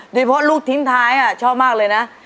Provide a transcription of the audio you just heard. โดยเพราะลูกทิ้งท้ายชอบมากเลยนะ